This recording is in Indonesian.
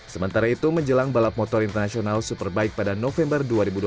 sementara itu menjelang balap motor internasional superbike pada november dua ribu dua puluh